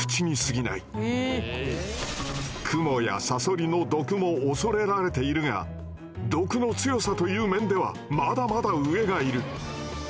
クモやサソリの毒も恐れられているが毒の強さという面ではまだまだ上がいる。